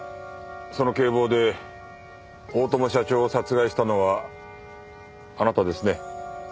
その警棒で大友社長を殺害したのはあなたですね？